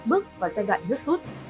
đang bước vào giai đoạn nước rút